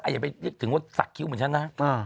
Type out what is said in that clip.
อย่าไปนึกถึงว่าสักคิ้วเหมือนฉันนะ